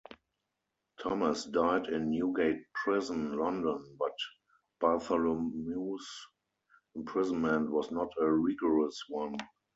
Thomas died in Newgate Prison, London, but Bartholomew's imprisonment was not a rigorous one.